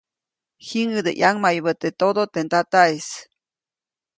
Jiŋʼäde ʼyaŋmayubä teʼ todo teʼ ndataʼis.